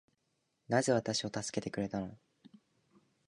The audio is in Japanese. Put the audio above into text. なぜ私を助けてくれたの